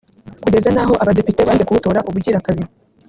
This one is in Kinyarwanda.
kugeza n’aho abadepite banze kuwutora ubugira kabiri